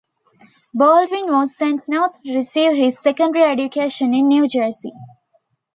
Baldwin was sent north to receive his secondary education in New Jersey.